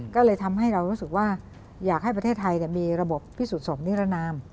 ก็เลยทำให้เรารู้สึกว่าอยากให้ประเทศไทยมีระบบพิสูจนสมนิรนาม